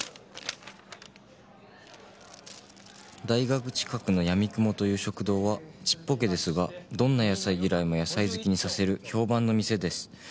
「大学近くのやみくもという食堂はちっぽけですがどんな野菜嫌いも野菜好きにさせる評判の店です」